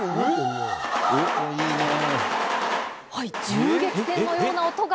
銃撃戦のような音が。